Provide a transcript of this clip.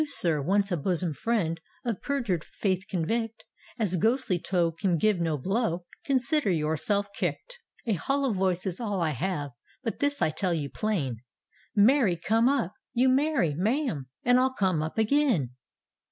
Sir — once a bosom friend — Of perjured faith convict, As ghostly toe can give no blow, Consider yourself kicked. D,gt,, erihyGOOgle Mary't Ghost "A hollow voice is all I have. But this I tell you plain, Marry come upt you marry, ma'am, And rU come up again."